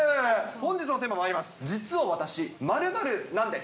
本日のテーマまいります。